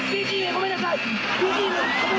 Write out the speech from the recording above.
ごめんなさい！